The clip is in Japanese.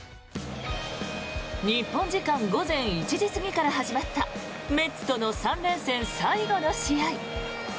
日本時間午前１時過ぎから始まったメッツとの３連戦最後の試合。